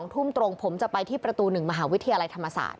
ทุ่มตรงผมจะไปที่ประตู๑มหาวิทยาลัยธรรมศาสตร์